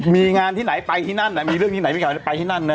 มีงานที่ไหนไปที่นั่นมีเรื่องที่ไหนมีข่าวไปที่นั่นนะ